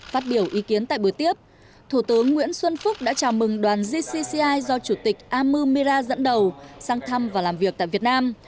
phát biểu ý kiến tại buổi tiếp thủ tướng nguyễn xuân phúc đã chào mừng đoàn gcci do chủ tịch amu merra dẫn đầu sang thăm và làm việc tại việt nam